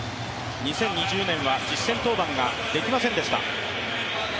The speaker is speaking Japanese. ２０２０年は実戦登板ができませんでした。